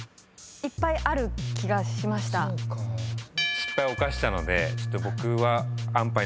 失敗を犯したのでちょっと僕は。